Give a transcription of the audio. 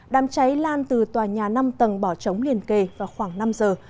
đám cháy lan từ tòa nhà năm tầng bỏ trống liền kề vào khoảng năm giờ